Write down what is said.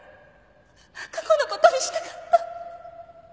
過去のことにしたかった。